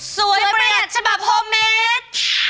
สวยประหยัดฉบับโฮเมด